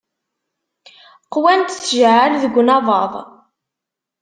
Qwant tjeɛɛal deg unabaḍ.